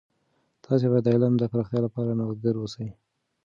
تاسې باید د علم د پراختیا لپاره نوښتګر اوسئ.